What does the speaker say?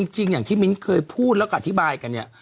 จริงอย่างที่มิ้นเคยพูดแล้วก็อธิบายกัน